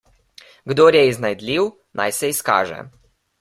Kdor je iznajdljiv, naj se izkaže.